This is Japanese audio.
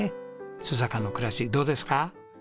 須坂の暮らしどうですか？